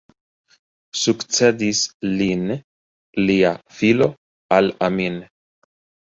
Sukcedis lin lia filo Al-Amin.